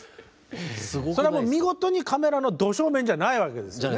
それはもう見事にカメラのど正面じゃないわけですね。